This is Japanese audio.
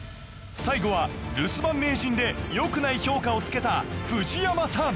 最後は留守番名人でよくない評価をつけた藤山さん